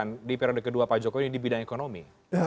segera diselesaikan di periode kedua pak jokowi ini di bidang ekonomi